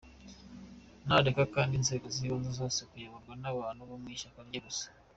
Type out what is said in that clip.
Nareke kandi inzego z’ibanze zoye kuyoborwa n’abantu bo mw’ishyaka rye gusa.